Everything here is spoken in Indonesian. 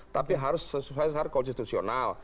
tapi harus sesuai syarat konstitusional